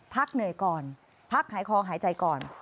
เหนื่อยก่อนพักหายคอหายใจก่อน